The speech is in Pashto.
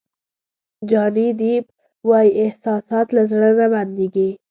جاني دیپ وایي احساسات له زړه نه بندېږي.